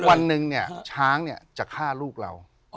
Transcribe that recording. วันหนึ่งเนี่ยช้างจะฆ่าลูกเรา